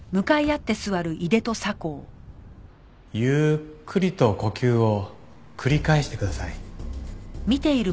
ゆっくりと呼吸を繰り返してください。